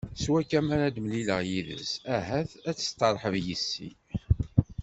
S wakka, mi ara mlileɣ yid-s, ahat ad isteṛḥeb yis-i.